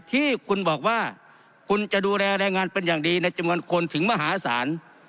ที่คุณบอกว่าคุณจะดูแลแรงงานเป็นอย่างดีในจำนวนคนถึงมหาศาล